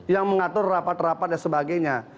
yang mengatur rapat rapat dan sebagainya